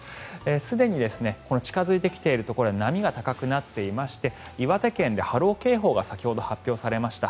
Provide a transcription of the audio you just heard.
すでに近付いてきているところでは波が高くなっていまして岩手県で波浪警報が先ほど発表されました。